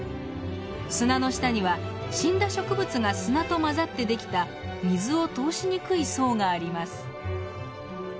砂の下には死んだ植物が砂と混ざってできた水を通しにくい層があります。